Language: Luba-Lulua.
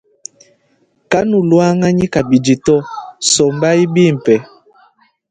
Kanuluanganyi kabidi to sombayi bimpe.